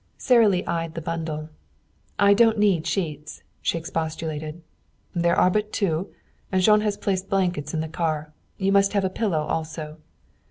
Sara Lee eyed the bundle. "I don't need sheets," she expostulated. "There are but two. And Jean has placed blankets in the car. You must have a pillow also."